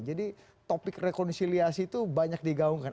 topik rekonsiliasi itu banyak digaungkan